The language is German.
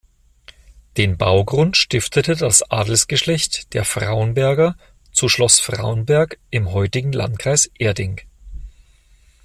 Den Baugrund stiftete das Adelsgeschlecht der Frauenberger zu Schloss Fraunberg im heutigen Landkreis Erding.